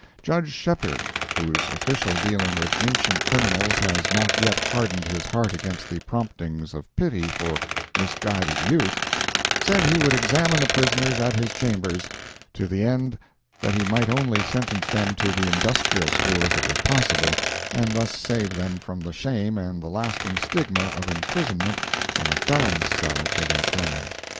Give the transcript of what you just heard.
Judge Shepheard, whose official dealing with ancient criminals has not yet hardened his heart against the promptings of pity for misguided youth, said he would examine the prisoners at his chambers, to the end that he might only sentence them to the Industrial School if it were possible, and thus save them from the shame and the lasting stigma of imprisonment in a felon's cell for their crime.